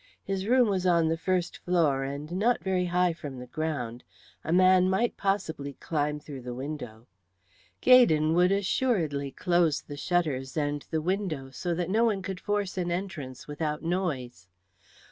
His room was on the first floor and not very high from the ground. A man might possibly climb through the window. Gaydon would assuredly close the shutters and the window, so that no one could force an entrance without noise.